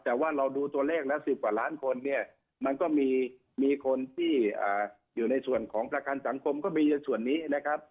แต่ว่าเราดูตัวเลขแล้ว๑๐กว่าล้านคนเนี่ยมันก็มีคนที่อยู่ในส่วนของประกันสังคมก็มีในส่วนนี้นะครับ